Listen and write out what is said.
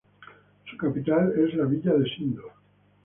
Su capital es la villa de Sindo.